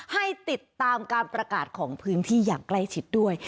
ให้ติดตามการประกาศของพื้นที่อย่างใกล้ชิดด้วย